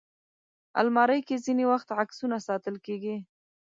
الماري کې ځینې وخت عکسونه ساتل کېږي